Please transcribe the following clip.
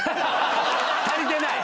足りてない？